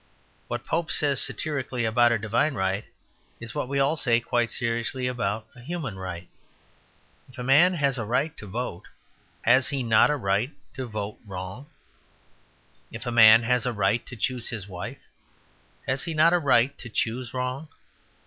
What Pope says satirically about a divine right is what we all say quite seriously about a human right. If a man has a right to vote, has he not a right to vote wrong? If a man has a right to choose his wife, has he not a right to choose wrong?